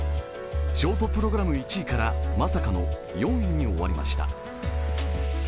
ショートプログラム１位からまさかの４位に終わりました。